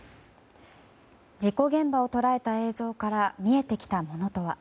事故現場を捉えた映像から見えてきたものとは。